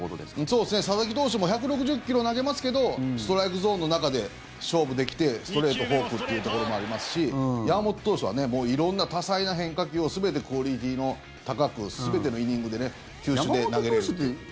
そうですね、佐々木投手も１６０ｋｍ投げますけどストライクゾーンの中で勝負できてストレート、フォークというところもありますし山本投手は色んな多彩な変化球を全てクオリティー高く全てのイニングで球種で投げれるっていう。